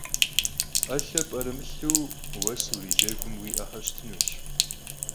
'elhe p'erımılhu vues vuricegume vui 'exer ştınuş.